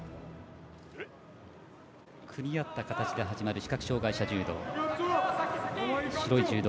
組み合った形で始まる視覚障がい者柔道。